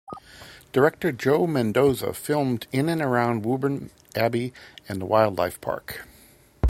Director Joe Mendoza filmed in and around Woburn Abbey and the Wildlife Park.